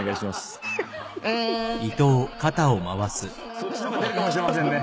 そっちのが出るかもしれませんね